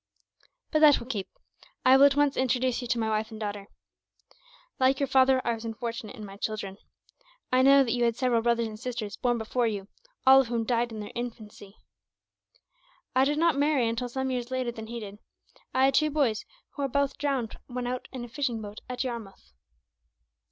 "But that will keep. I will at once introduce you to my wife and daughter. Like your father, I was unfortunate in my children. I know that you had several brothers and sisters born before you, all of whom died in their infancy. I did not marry until some years later than he did. I had two boys, who were both drowned when out in a fishing boat at Yarmouth.